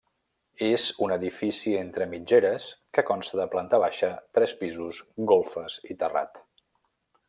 És un edifici entre mitgeres que consta de planta baixa, tres pisos, golfes i terrat.